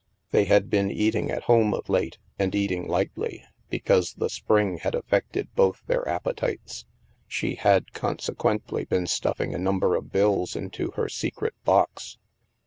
They had been eating at home of late, and eating lightly, because the spring had affected both their appetities. She had, consequently, been stuffing a number of bills into her secret box.